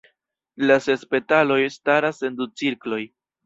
La ses petaloj staras en du cirkloj.